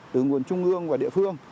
từ nguồn trung ương và địa phương